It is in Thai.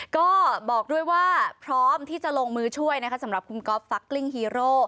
ก็บอกด้วยว่าพร้อมที่จะลงมือช่วยนะคะสำหรับคุณก๊อฟฟักกลิ้งฮีโร่